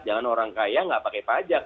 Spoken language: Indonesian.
jangan orang kaya nggak pakai pajak